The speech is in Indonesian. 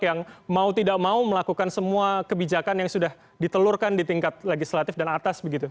yang mau tidak mau melakukan semua kebijakan yang sudah ditelurkan di tingkat legislatif dan atas begitu